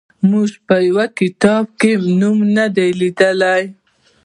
موږ یې په یوه کتاب کې نوم نه دی لیدلی.